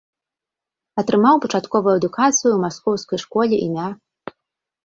Атрымаў пачатковую адукацыю ў маскоўскай школе ім.